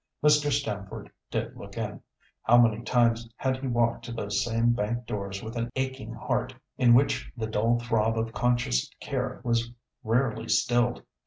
Mr. Stamford did look in. How many times had he walked to those same bank doors with an aching heart, in which the dull throb of conscious care was rarely stilled!